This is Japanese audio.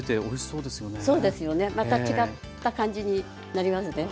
そうですよねまた違った感じになりますね。